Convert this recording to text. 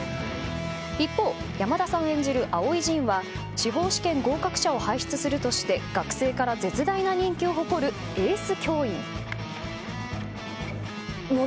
一方、山田さん演じる藍井仁は司法試験合格者を輩出するとして学生から絶大な人気を誇るエース教員。